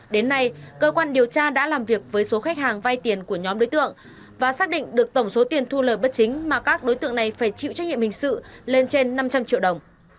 đến nay cơ quan điều tra đã làm việc với số khách hàng vay tiền của nhóm đối tượng và xác định được tổng số tiền thu lời bất chính mà các đối tượng này phải chịu trách nhiệm hình sự lên trên năm trăm linh triệu đồng